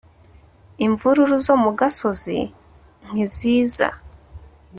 Imvururu zo mu gasozi nkiziza